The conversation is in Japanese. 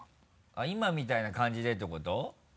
今みたいな感じでってこと？